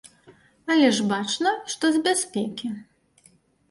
Але ж бачна, што з бяспекі.